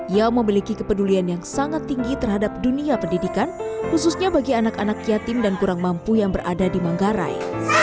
ia memiliki kepedulian yang sangat tinggi terhadap dunia pendidikan khususnya bagi anak anak yatim dan kurang mampu yang berada di manggarai